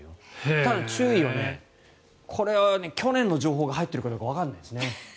ただ注意はねこれは去年の情報が入っているかどうかわからないですね。